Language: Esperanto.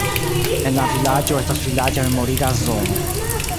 En la vilaĝo estas vilaĝa memoriga zono.